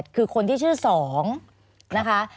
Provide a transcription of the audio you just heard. คือคนที่ชื่อ๒นะคะ